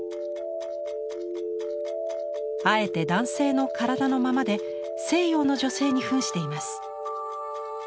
あえて男性の体のままで西洋の女性にふんしています。